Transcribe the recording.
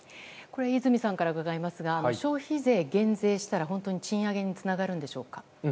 泉さんから伺いますが消費税減税したら本当に減税につながるんでしょうか。